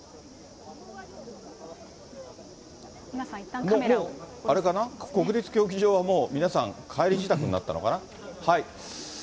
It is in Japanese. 皆さん、もうあれかな、国立競技場はもう皆さん、帰り支度になったのかな？